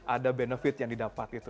ada benefit yang didapat itu